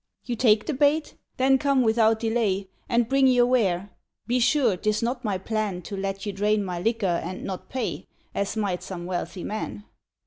You take the bait? then come without delay And bring your ware: be sure, 'tis not my plan To let you drain my liquor and not pay, As might some wealthy man.